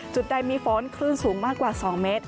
จุดใดมีฝนคลื่นสูงมากกว่า๒เมตร